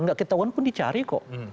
nggak ketahuan pun dicari kok